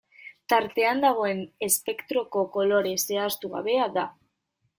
Tartean dagoen espektroko kolore zehaztu gabea da.